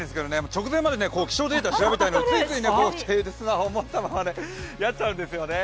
直前まで気象データを調べたり、ついついスマホを持ったままになっちゃうんですよね。